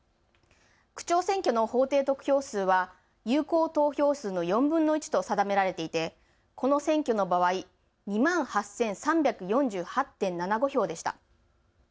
区長選挙の法定得票数は有効投票数の４分の１と定められていて、この選挙の場合、２万８３４８．７５票でした。